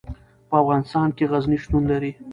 په افغانستان کې غزني شتون لري.